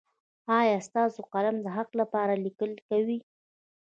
ایا ستاسو قلم د حق لپاره لیکل کوي؟